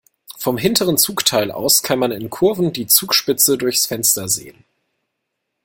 Vom hinteren Zugteil aus kann man in Kurven die Zugspitze durchs Fenster sehen.